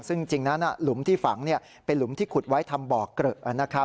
ซึ่งจริงนั้นหลุมที่ฝังเป็นหลุมที่ขุดไว้ทำบ่อเกลอะ